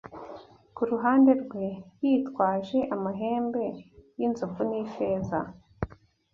Kuruhande rwe, yitwaje amahembe y'inzovu n'ifeza.